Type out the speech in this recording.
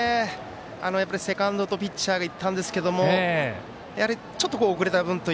セカンドとピッチャーが行ったんですがちょっと、遅れた分。